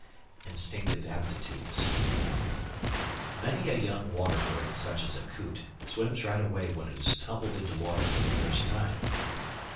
Instinctive Aptitudes Many a young water bird, such as a coot, swims right away when it is tumbled into water for the first time.